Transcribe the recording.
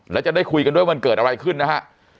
แล้วจะได้คุยกันด้วยมันเกิดอะไรขึ้นนะฮะ